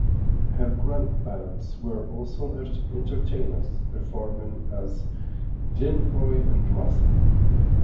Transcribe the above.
Her grandparents were also entertainers, performing as Glenroy and Russell.